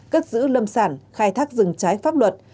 cất giữ lâm sản khai thác rừng trái pháp luật